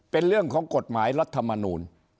เป็นเรื่องของกฎหมายรัฐมนูล